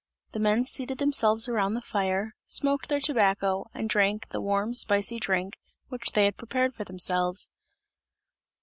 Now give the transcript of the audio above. The men seated themselves around the fire, smoked their tobacco and drank the warm spicy drink, which they had prepared for themselves.